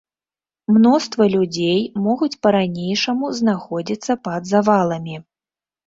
Мноства людзей могуць па-ранейшаму знаходзіцца пад заваламі.